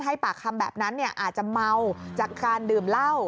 ให้ปากคำแบบนั้นอาจจะเมาจากการดื่มเหล้า